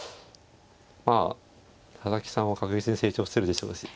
まあ佐々木さんは確実に成長してるでしょうし。